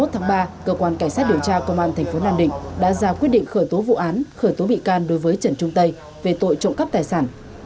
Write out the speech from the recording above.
hai mươi tháng ba cơ quan cảnh sát điều tra công an tp nam định đã ra quyết định khởi tố vụ án khởi tố bị can đối với trần trung tây về tội trộm cắp tài sản